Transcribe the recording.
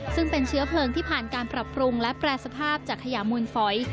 ซึ่งเป็นเชื้อเพลิงที่ผ่านการปรับปรุงและแปรสภาพจากขยะมูลฝอย